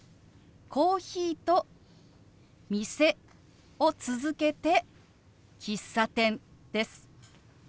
「コーヒー」と「店」を続けて「喫茶店」です。